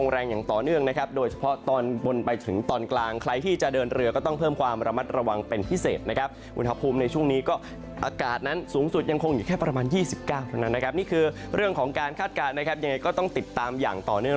เรื่องของการคาดการณ์นะครับยังไงก็ต้องติดตามอย่างต่อเนื่อง